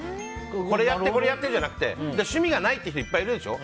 これをやってとかじゃなくて趣味がないって人いっぱいいるでしょ？